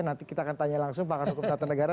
nanti kita akan tanya langsung pak ketua keputusan negara